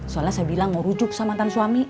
soalnya saya bilang mau rujuk sama tan suami